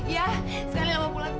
ya sekali lama pulang